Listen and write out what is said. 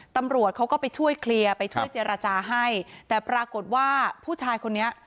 ตำรวจเขาก็ไปช่วยเคลียร์ไปช่วยเจรจาให้แต่ปรากฏว่าผู้ชายคนนี้